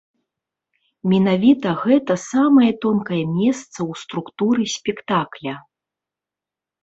Менавіта гэта самае тонкае месца ў структуры спектакля.